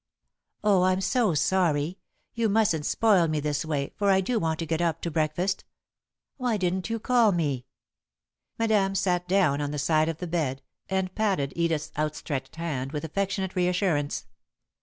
"Oh, I'm so sorry! You mustn't spoil me this way, for I do want to get up to breakfast. Why didn't you call me?" Madame sat down on the side of the bed and patted Edith's outstretched hand with affectionate reassurance.